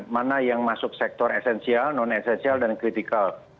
mana yang masuk sektor esensial non esensial dan kritikal